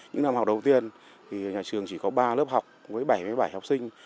những năm học đầu tiên thì nhà trường chỉ có ba lớp học với bảy mươi bảy học sinh